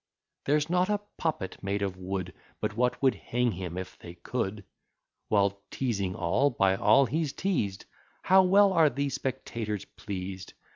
There's not a puppet made of wood, But what would hang him if they could; While, teasing all, by all he's teased, How well are the spectators pleased!